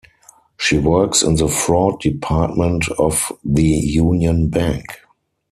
She works in the fraud department of the Union Bank.